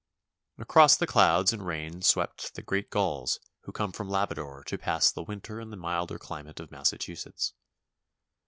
Across the clouds and rain swept the great gulls who come from Labrador to pass the winter in the milder climate of Massachusetts.